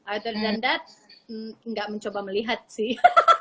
other than that nggak mencoba melihat sih